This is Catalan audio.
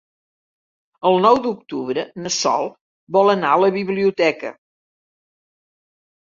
El nou d'octubre na Sol vol anar a la biblioteca.